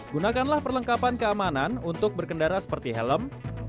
gunakanlah perlengkapan keamanan untuk berkendara seperti helm